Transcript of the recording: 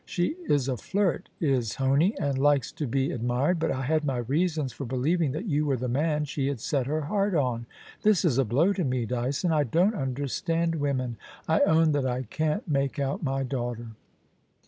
She is a flirt, is Honie, and likes to be ad mired ; but I had my reasons for believing that you were the man she had set her heart on. This is a blow to me, Dyson. I don't understand women. I own that I can't make out my daughter.